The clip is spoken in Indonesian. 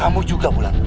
kamu juga wulan